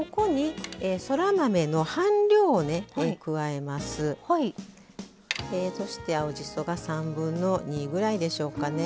えそして青じそが2/3ぐらいでしょうかね。